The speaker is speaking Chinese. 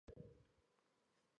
安徽合肥人。